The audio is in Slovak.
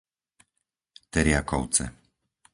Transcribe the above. Teriakovce